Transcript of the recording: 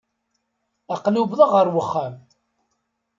Aql-i uwḍeɣ ɣer uxxam.